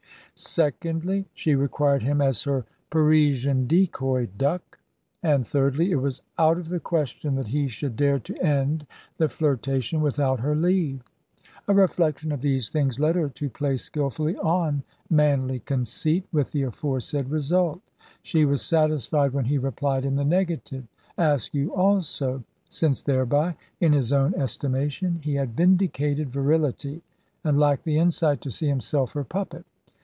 Secondly, she required him as her Parisian decoy duck. And thirdly, it was out of the question that he should dare to end the flirtation without her leave. A reflection of these things led her to play skilfully on manly conceit, with the aforesaid result. She was satisfied when he replied in the negative. Askew also, since thereby, in his own estimation, he had vindicated virility, and lacked the insight to see himself her puppet.